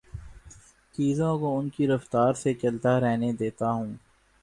چیزوں کو ان کی رفتار سے چلتا رہنے دیتا ہوں